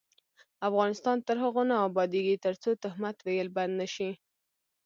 افغانستان تر هغو نه ابادیږي، ترڅو تهمت ویل بند نشي.